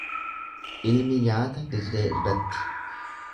Ilmi nyaata dirree irratti.